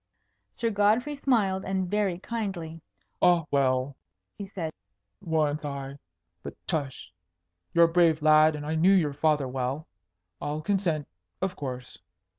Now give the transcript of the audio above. Sir Godfrey smiled, and very kindly. "Ah, well," he said, "once I but tush! You're a brave lad, and I knew your father well. I'll consent, of course.